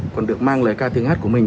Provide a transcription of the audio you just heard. còn được mang lời ca tiếng hát của mình